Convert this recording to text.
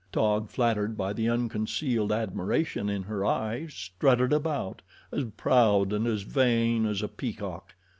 Taug, flattered by the unconcealed admiration in her eyes, strutted about, as proud and as vain as a peacock.